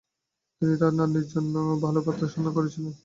তিনি তার নাতনীর জন্য আরও ভালো পাত্রের সন্ধান করছিলেন।